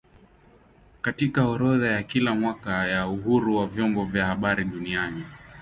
katika orodha ya kila mwaka ya uhuru wa vyombo vya habari duniani